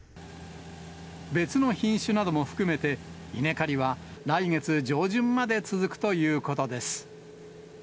別の品種なども含めて、稲刈りは来月上旬まで続くということです。